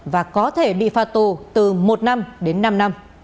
và có thể bị phạt tù từ một năm đến năm năm